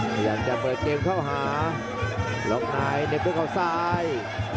พยายามจะเปิดเกมเข้าหาล็อกในเน็บด้วยเขาซ้าย